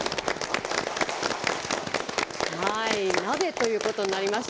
鍋ということになりました。